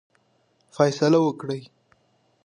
فیصله وکړه.